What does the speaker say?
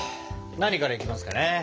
何からいきますかね？